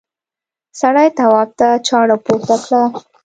سړي تواب ته چاړه پورته کړه.